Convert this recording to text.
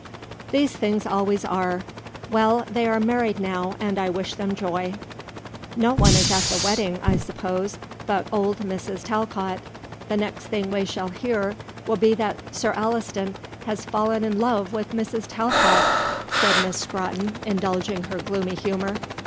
"These things always are. Well, they are married now, and I wish them joy." "No one is at the wedding, I suppose, but old Mrs. Talcott. The next thing we shall hear will be that Sir Alliston has fallen in love with Mrs. Talcott," said Miss Scrotton, indulging her gloomy humour.